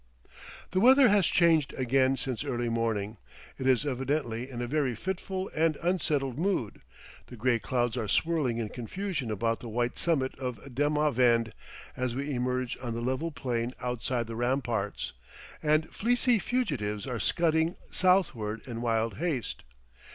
The weather has changed again since early morning; it is evidently in a very fitful and unsettled mood; the gray clouds are swirling in confusion about the white summit of Demavend as we emerge on the level plain outside the ramparts, and fleecy fugitives are scudding southward in wild haste.